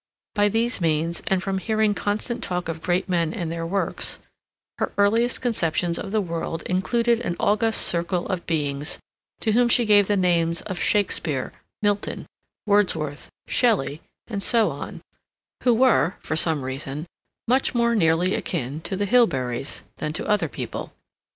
By these means, and from hearing constant talk of great men and their works, her earliest conceptions of the world included an august circle of beings to whom she gave the names of Shakespeare, Milton, Wordsworth, Shelley, and so on, who were, for some reason, much more nearly akin to the Hilberys than to other people.